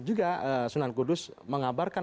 juga sunan kudus mengabarkan